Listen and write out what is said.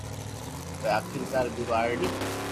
پوءِ آخرڪار، ٻي ٻارڙي؛